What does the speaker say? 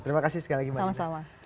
terima kasih sekali lagi mbak nisa